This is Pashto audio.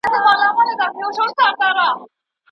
د پښتو ژبي چوپړ ته وقف کړی دی.